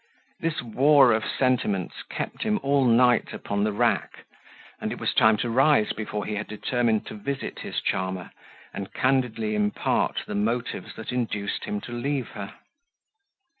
This war of sentiments kept him all night upon the rack, and it was time to rise before he had determined to visit his charmer, and candidly impart the motives that induced him to leave her.